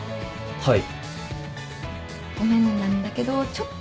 はい。